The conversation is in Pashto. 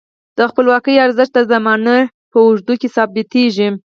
د خپلواکۍ ارزښت د زمانې په اوږدو کې ثابتیږي.